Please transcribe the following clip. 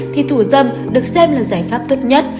thì thủ dâm được xem là giải pháp tốt nhất